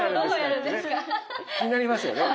気になりますよね。